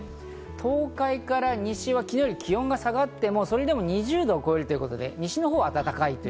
東海から西は昨日より気温が下がっても、それでも２０度を超えるということで西のほうは暖かい。